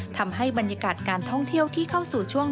ทำให้บรรยากาศการท่องเที่ยวที่เข้าสู่ช่วง